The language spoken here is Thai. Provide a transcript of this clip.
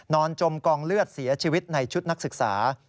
จมกองเลือดเสียชีวิตในชุดนักศึกษา